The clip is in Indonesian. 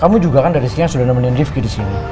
kamu juga kan dari sini yang sudah nemenin rifki disini